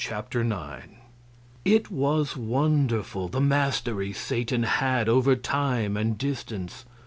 Chapter 9 It was wonderful, the mastery Satan had over time and distance.